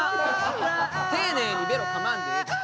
丁寧にベロかまんでええから。